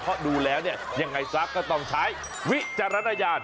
เพราะดูแล้วเนี่ยยังไงซะก็ต้องใช้วิจารณญาณ